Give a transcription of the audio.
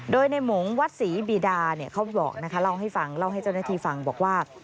โดยในหมงวัดศรีบีดาเขาบอกนะคะเล่าให้เจ้าหน้าทีฟังบอกว่า